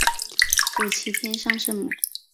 主祀天上圣母。